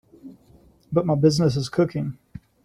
But my business is cooking.